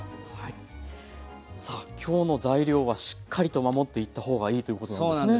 さあ今日の材料はしっかりと守っていった方がいいということなんですね？